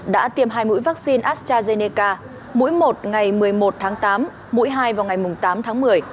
đã tiêm hai mũi vaccine astrazeneca mỗi một ngày một mươi một tháng tám mũi hai vào ngày tám tháng một mươi